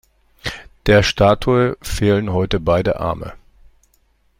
Der Statue fehlen heute beide Arme.